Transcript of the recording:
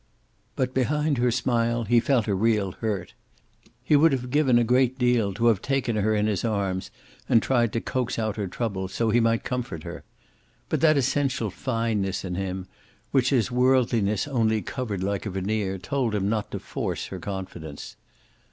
But' behind her smile he felt a real hurt. He would have given a great deal to have taken her in his arms and tried to coax out her trouble so he might comfort her. But that essential fineness in him which his worldliness only covered like a veneer told him not to force her confidence.